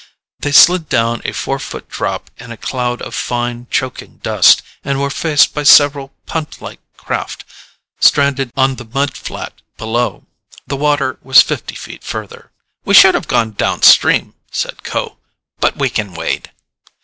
They slid down a four foot drop in a cloud of fine, choking dust, and were faced by several puntlike craft stranded on the mudflat beyond. The water was fifty feet further. "We should have gone down stream," said Kho, "but we can wade."